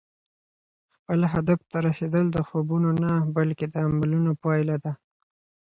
خپل هدف ته رسېدل د خوبونو نه، بلکې د عملونو پایله ده.